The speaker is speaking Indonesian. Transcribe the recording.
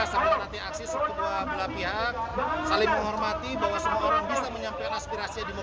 sampai nanti aksi sebuah pula pihak saling menghormati bahwa semua orang bisa menyampaikan aspirasi di mobil